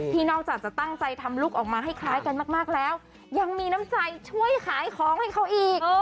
นอกจากจะตั้งใจทำลูกออกมาให้คล้ายกันมากแล้วยังมีน้ำใจช่วยขายของให้เขาอีก